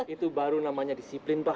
itu baru namanya disiplin pak